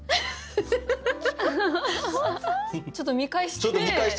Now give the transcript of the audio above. ちょっと見返して。